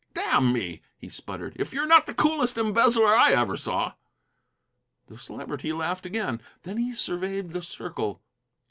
"Damn me," he sputtered, "if you're not the coolest embezzler I ever saw." The Celebrity laughed again. Then he surveyed the circle.